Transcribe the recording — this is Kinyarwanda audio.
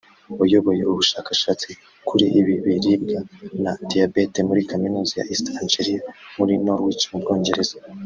wayoboye ubushakashatsi kuri ibi biribwa na diyabete muri kaminuza ya East Anglia muri Norwich mu Bwongereza